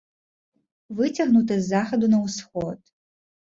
Выцягнуты з захаду на ўсход.